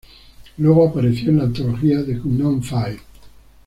Luego apareció en la antología "The Unknown Five".